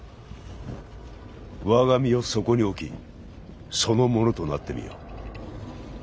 我が身をそこに置きその者となってみよ。